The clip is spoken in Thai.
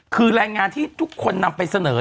คือแรงงานที่ทุกคนนำไปเสนอ